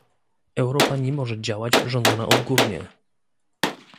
Europa nie może działać rządzona odgórnie